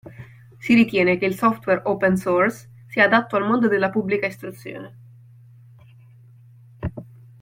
Si ritiene che il software open source sia adatto al mondo della Pubblica Istruzione.